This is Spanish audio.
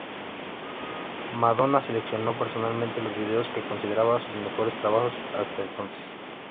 Madonna seleccionó personalmente los vídeos que consideraba sus mejores trabajos hasta entonces.